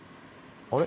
あれ？